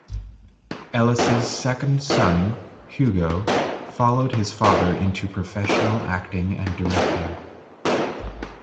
Ellis's second son, Hugo, followed his father into professional acting and directing.